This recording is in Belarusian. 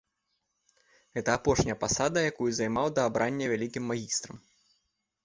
Гэта апошняя пасада, якую займаў да абрання вялікім магістрам.